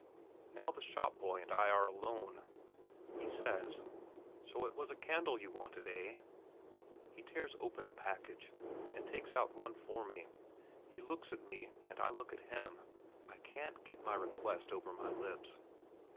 Now the shop boy and I are alone. He says: "So it was a candle you wanted, eh?" He tears open a package, and takes one out for me. He looks at me, and I look at him; I can't get my request over my lips.